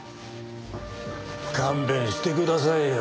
勘弁してくださいよ。